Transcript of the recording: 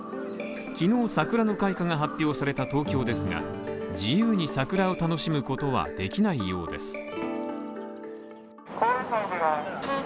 昨日、桜の開花が発表された東京ですが自由に桜を楽しむことはできないようです。